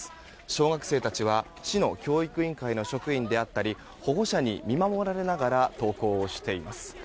小学生たちは市の教育委員会の職員であったり保護者に見守られながら登校をしています。